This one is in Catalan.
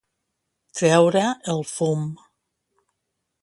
Treure el fum.